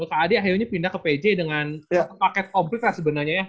kad akhirnya pindah ke pj dengan paket komplit lah sebenarnya ya